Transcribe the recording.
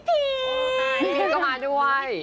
พี่พีทก็มาด้วย